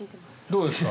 どうですか？